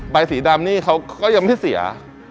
ใบสีดำนี่เขาก็ยังไม่เสีย